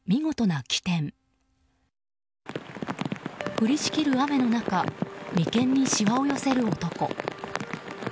降りしきる雨の中眉間にしわを寄せる男。